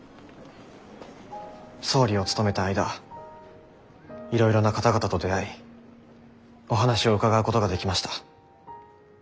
総理を務めた間いろいろな方々と出会いお話を伺うことができました。